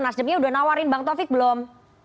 nasdemnya udah nawarin bang taufik belum